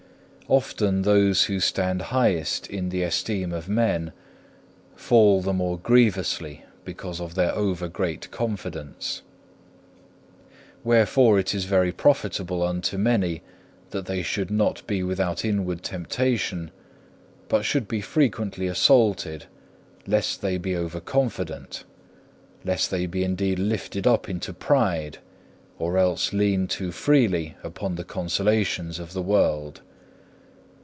4. Often those who stand highest in the esteem of men, fall the more grievously because of their over great confidence. Wherefore it is very profitable unto many that they should not be without inward temptation, but should be frequently assaulted, lest they be over confident, lest they be indeed lifted up into pride, or else lean too freely upon the consolations of the world.